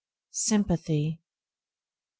Sympathy 6.